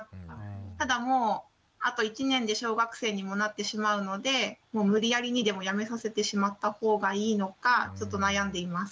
ただもうあと１年で小学生にもなってしまうので無理やりにでもやめさせてしまったほうがいいのかちょっと悩んでいます。